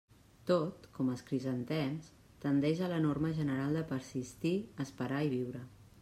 Tot, com els crisantems, tendeix a la norma general de persistir, esperar i viure.